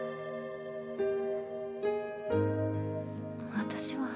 私は。